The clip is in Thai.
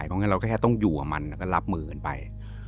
เพราะงั้นเราก็แค่ต้องอยู่กับมันแล้วก็รับมือกันไป